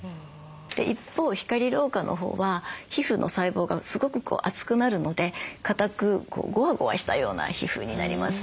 一方光老化のほうは皮膚の細胞がすごく厚くなるので硬くゴワゴワしたような皮膚になります。